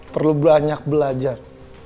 perlu banyak belajar